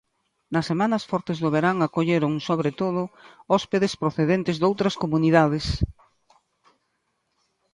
Nas semanas fortes do verán acolleron, sobre todo, hóspedes procedentes doutras comunidades.